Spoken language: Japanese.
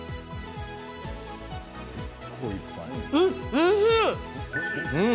おいしい！